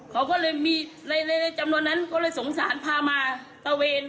เขาก็เลยมีในจำนวนนั้นก็เลยสงสารพามาตะเวน